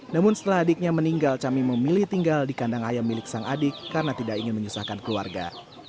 namun setelah adiknya meninggal cami memilih tinggal di kandang ayam milik sang adik karena tidak ingin menyusahkan keluarga